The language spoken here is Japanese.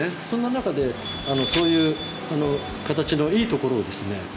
そんな中でそういう形のいいところをですね